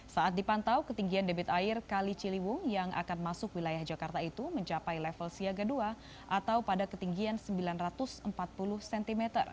saat dipantau ketinggian debit air kali ciliwung yang akan masuk wilayah jakarta itu mencapai level siaga dua atau pada ketinggian sembilan ratus empat puluh cm